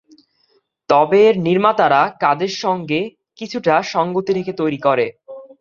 তবে এর নির্মাতারা কাজের সাথে কিছুটা সঙ্গতি রেখে তৈরি করে।